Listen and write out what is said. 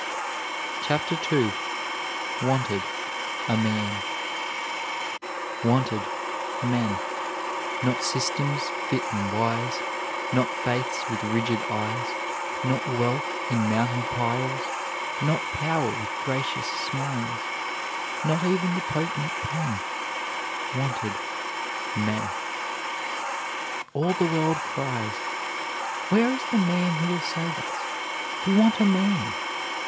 CHAPTER II WANTED A MAN "Wanted; men: Not systems fit and wise, Not faiths with rigid eyes, Not wealth in mountain piles, Not power with gracious smiles, Not even the potent pen; Wanted; men." All the world cries, Where is the man who will save us? We want a man!